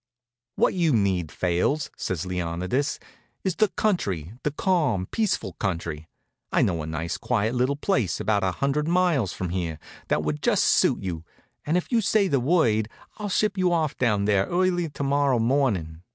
"What you need, Fales," says Leonidas, "is the country, the calm, peaceful country. I know a nice, quiet little place, about a hundred miles from here, that would just suit you, and if you say the word I'll ship you off down there early to morrow morning.